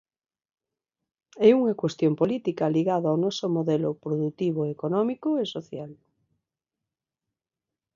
É unha cuestión política ligada ó noso modelo produtivo económico e social.